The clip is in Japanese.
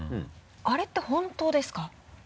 あれって本当ですか？